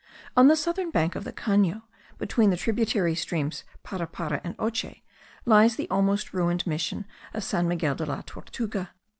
On the southern bank of the Cano, between the tributary streams Parapara and Oche, lies the almost ruined mission of San Miguel de la Tortuga.